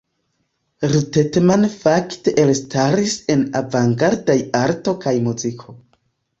Ruttmann fakte elstaris en avangardaj arto kaj muziko.